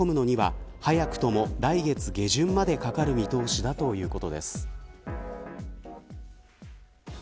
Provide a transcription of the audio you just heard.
ただ、蒸気の噴出を抑え込むのには早くとも来月下旬までかかる見通しだということです。